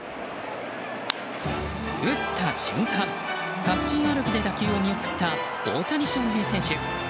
打った瞬間、確信歩きで打球を見送った大谷翔平選手。